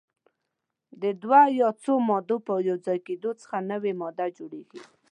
د دوه یا څو مادو یو ځای کیدو څخه نوې ماده جوړیږي.